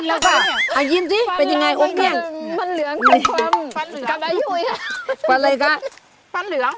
แล้วพึ่งออกไปเดี๋ยวตกขึ้นมาเนี่ยเราไม่อยากจะยิ้มเลย